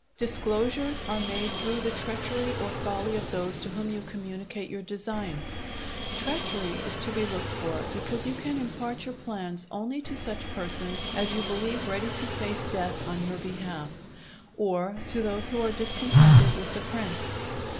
Disclosures are made through the treachery or folly of those to whom you communicate your design. Treachery is to be looked for, because you can impart your plans only to such persons as you believe ready to face death on your behalf, or to those who are discontented with the prince.